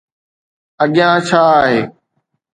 اڳيان ڇا آهي؟